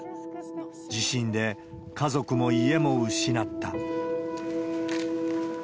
地震で家族も家も失った。